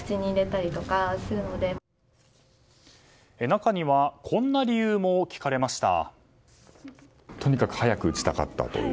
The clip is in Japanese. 中にはこんな理由も聞かれました。